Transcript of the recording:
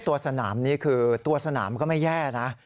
ตัวสนามนี้คือตัวสนามก็ไม่แย่นะ